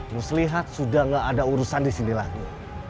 lo lihat sudah nggak ada urusan di sini lagi